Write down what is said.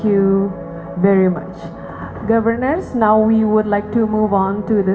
pemerintah sekarang kami ingin bergerak ke